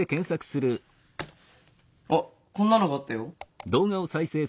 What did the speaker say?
あっこんなのがあったよ。